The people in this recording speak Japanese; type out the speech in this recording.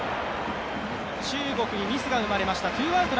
中国、ミスが生まれました。